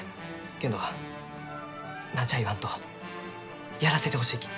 けんど何ちゃあ言わんとやらせてほしいき。